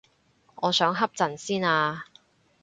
我想瞌陣先啊